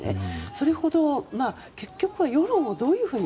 それほど、結局は世論をどういうふうに。